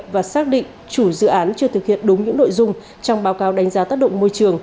và xác định chủ dự án chưa thực hiện đúng những nội dung trong báo cáo đánh giá tác động môi trường